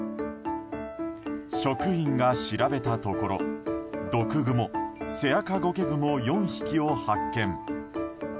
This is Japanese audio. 職員が調べたところ毒グモ、セアカゴケグモ４匹を発見。